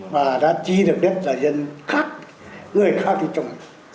và đã chi được nhất là dân khác người khác thì trồng